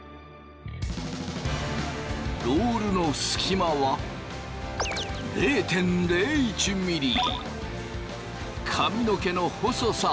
ロールの隙間は０．０１ミリ。